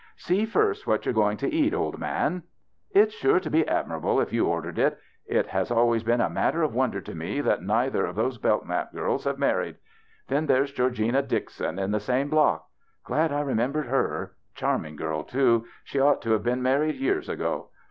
" See first what you're going to eat, old man." " It's sure to be admirable if you ordered it. It has always been a matter of wonder to me that neither of those Bellknap girls have married. Then there's Georgiana Dixon, in the same block. Glad I remembered her. Charming girl too. She ought to have been married years ago.